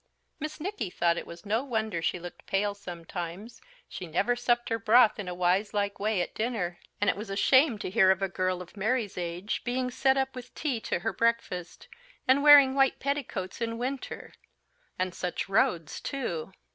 Miss Nicky thought it was no wonder she looked pale sometimes. She never supped her broth in a wiselike way at dinner; and it was a shame to hear of a girl of Mary's age being set up with tea to her breakfast, and wearing white petticoats in winter and such roads, too!